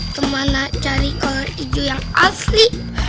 kemana cari kolor hijau yang asli